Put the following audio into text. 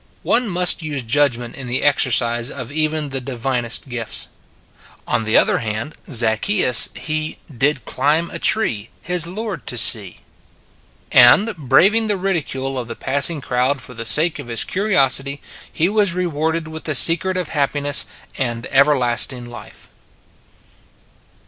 One must use judgment in the exercise of even the divinest gifts. On the other hand, 1 6 It s a Good Old World Zacchaeus he Did climb a tree, His Lord to see. And, braving the ridicule of the passing crowd for the sake of his curiosity, he was rewarded with the secret of happiness and everlasting life.